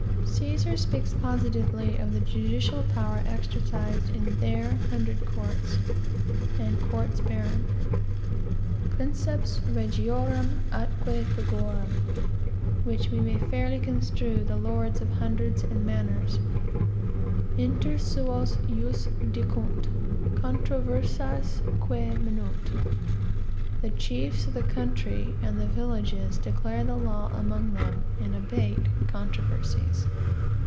Caesar speaks positively of the judicial power exercised in their hundred courts and courts baron. 'Princeps regiorum atque pagorum' (which we may fairly construe the lords of hundreds and manors) 'inter suos jus dicunt, controversias que minuunt.' (The chiefs of the country and the villages declare the law among them, and abate controversies.)